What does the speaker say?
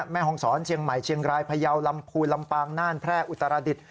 แม่ฮองศรเชียงใหม่เชียงรายพยาวลำพูนลำปางน่านแพร่อุตรดิษฐ